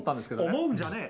思うんじゃねえ！